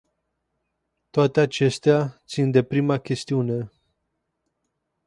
Toate acestea țin de prima chestiune.